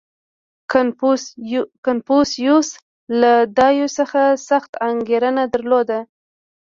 • کنفوسیوس له دایو څخه سخته انګېرنه درلوده.